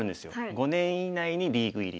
５年以内にリーグ入り。